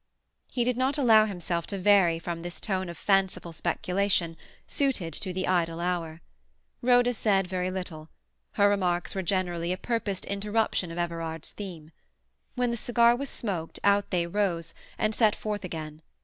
He did not allow himself to vary from this tone of fanciful speculation, suited to the idle hour. Rhoda said very little; her remarks were generally a purposed interruption of Everard's theme. When the cigar was smoked out they rose and set forward again.